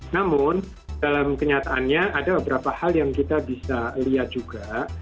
namun dalam kenyataannya ada beberapa hal yang kita bisa lihat juga